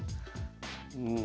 うん。